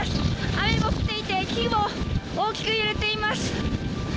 雨も降っていて木も大きく揺れています。